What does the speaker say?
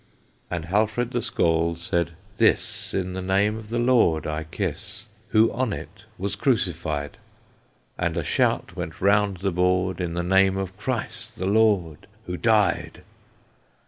And Halfred the Scald said, "This In the name of the Lord I kiss, Who on it was crucified!" And a shout went round the board, "In the name of Christ the Lord, Who died!"